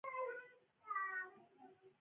زه د خځې له خوا ووهل شوم